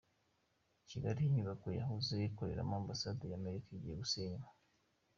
Kigali Inyubako yahoze ikoreramo Ambasade ya Amerika igiye gusenywa